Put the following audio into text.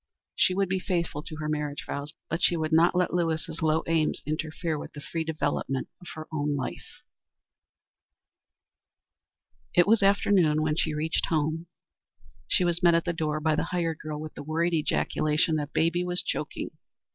She would be faithful to her marriage vows, but she would not let Lewis's low aims interfere with the free development of her own life. It was after noon when she reached home. She was met at the door by the hired girl with the worried ejaculation that baby was choking.